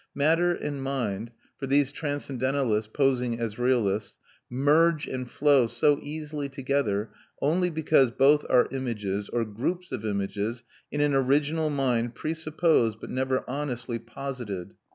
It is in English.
Matter and mind, for these transcendentalists posing as realists, merge and flow so easily together only because both are images or groups of images in an original mind presupposed but never honestly posited.